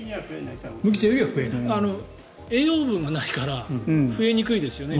栄養分がないから増えにくいですよね